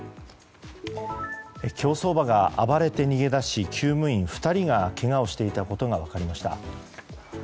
競走馬が暴れて逃げ出し厩務員２人がけがをしていたことが分かりました。